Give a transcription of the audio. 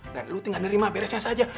dan lo tinggal nerima beresnya saja